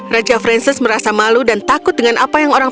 raja francis merasa malu dan takut dengan apa yang orang